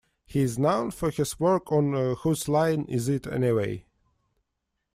He is known for his work on "Whose Line Is It Anyway?".